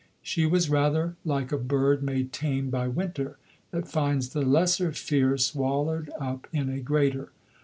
She was, rather, like a bird made tame by winter, that finds the lesser fear swallowed up in a greater.